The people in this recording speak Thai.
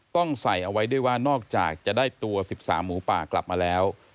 ต้องใส่เอาไว้ด้วยว่านอกจากจะได้ตัว๑๓หมูป่ากลับมาแล้ว